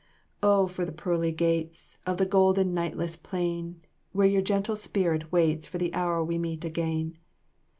O for the pearly gates Of the golden nightless plain, Where your gentle spirit waits For the hour we meet again.